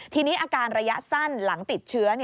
ทีนี้อาการระยะสั้นหลังติดเชื้อ